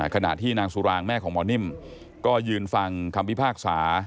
ขณะที่นางสุรางแม่ของหมอนิ่มก็ยืนฟังคำพิพากษา